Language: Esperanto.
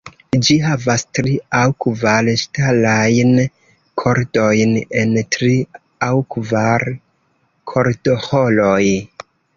Ĝi havas tri aŭ kvar ŝtalajn kordojn en tri aŭ kvar kordoĥoroj.